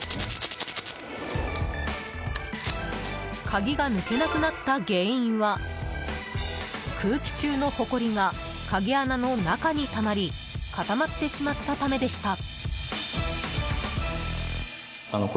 鍵が抜けなくなった原因は空気中のほこりが鍵穴の中にたまり固まってしまったためでした。